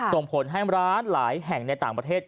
ส่งผลให้ร้านหลายแห่งในต่างประเทศ